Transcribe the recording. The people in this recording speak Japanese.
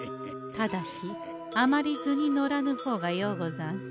ただしあまり図に乗らぬほうがようござんす。